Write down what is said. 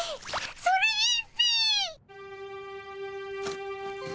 それいいっピ！